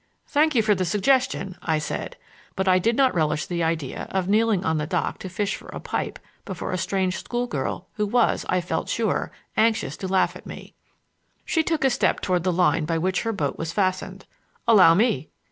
"Thank you for the suggestion," I said. But I did not relish the idea of kneeling on the dock to fish for a pipe before a strange school girl who was, I felt sure, anxious to laugh at me. She took a step toward the line by which her boat was fastened. "Allow me."